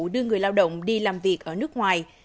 đưa người lao động đi làm việc ở nước ngoài